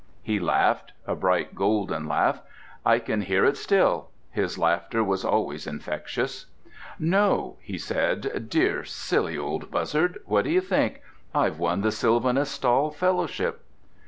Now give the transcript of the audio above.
He laughed. A bright, golden laugh—I can hear it still. His laughter was always infectious. "No," he said. "Dear silly old Buzzard, what do you think? I've won the Sylvanus Stall fellowship."